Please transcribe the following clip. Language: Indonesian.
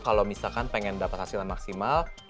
kalau misalkan pengen dapat hasil maksimal